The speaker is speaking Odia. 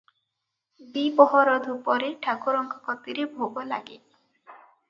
ଦିପହର ଧୂପରେ ଠାକୁରଙ୍କ କତିରେ ଭୋଗ ଲାଗେ ।